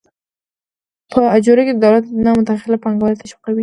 په اجورې کې د دولت نه مداخله پانګوال تشویقوي.